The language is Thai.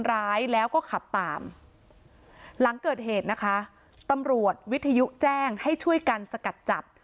ร้ายแล้วก็ขับตามหลังเกิดเหตุนะคะตำรวจวิทยุแจ้งให้ช่วยกันสกัดจับ